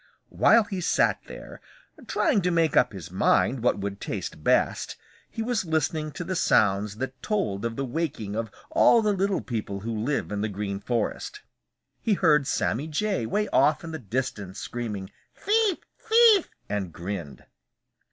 While he sat there, trying to make up his mind what would taste best, he was listening to the sounds that told of the waking of all the little people who live in the Green Forest. He heard Sammy Jay way off in the distance screaming, "Thief! Thief!" and grinned.